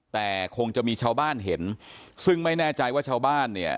แต่คงจะมีชาวบ้านเห็นซึ่งไม่แน่ใจว่าชาวบ้านเนี่ย